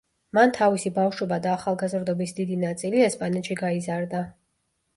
მან თავისი ბავშვობა და ახალგაზრდობის დიდი ნაწილი ესპანეთში გაიზარდა.